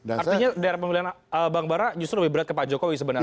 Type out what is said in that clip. artinya daerah pemilihan bang bara justru lebih berat ke pak jokowi sebenarnya